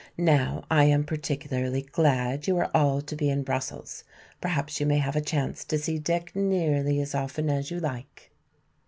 Now I am particularly glad you are all to be in Brussels. Perhaps you may have a chance to see Dick nearly as often as you like."